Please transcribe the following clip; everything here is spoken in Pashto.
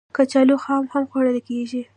کچالو خام هم خوړل کېږي